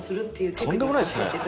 とんでもないですね。